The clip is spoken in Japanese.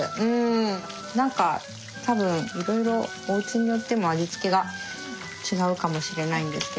何か多分いろいろおうちによっても味付けが違うかもしれないんですけど。